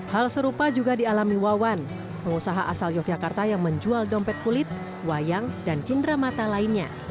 hal serupa juga dialami wawan pengusaha asal yogyakarta yang menjual dompet kulit wayang dan cindera mata lainnya